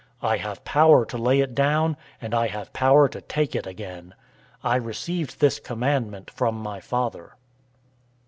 I have power to lay it down, and I have power to take it again. I received this commandment from my Father."